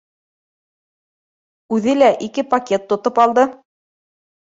Үҙе лә ике пакет тотоп алды.